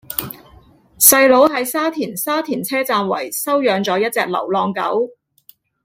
細佬喺沙田沙田車站圍收養左一隻流浪狗